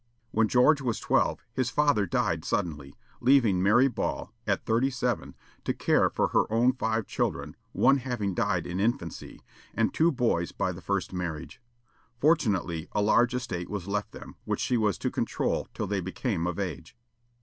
When George was twelve, his father died suddenly, leaving Mary Ball, at thirty seven, to care for her own five children, one having died in infancy, and two boys by the first marriage. Fortunately, a large estate was left them, which she was to control till they became of age.